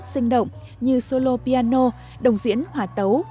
sinh động như solo piano đồng diễn hỏa tấu